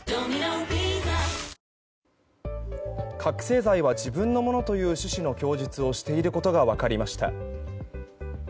覚醒剤は自分のものという趣旨の供述をしていることが分かりました。